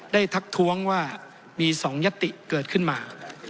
ทักท้วงว่ามี๒ยัตติเกิดขึ้นมา